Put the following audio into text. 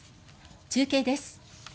中継です。